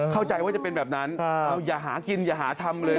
เข้าใจว่าจะเป็นแบบนั้นอย่าหากินอย่าหาทำเลย